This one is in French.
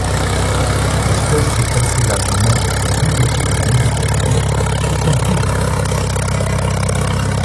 L'espèce est assez largement répandue autour de la Méditerranée, y compris en Crète.